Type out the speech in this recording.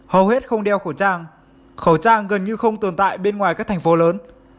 hầu hết không đeo khẩu trang khẩu trang gần như không tồn tại bên ngoài các thành phố lớn